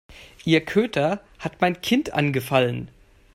Ihr Köter hat mein Kind angefallen.